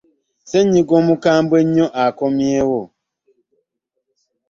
Sennyiga omukambwe ennyo, akomyewo